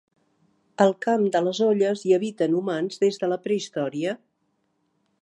Al Camp de les Olles hi habiten humans des de la prehistòria.